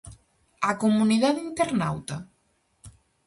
Á comunidade internauta?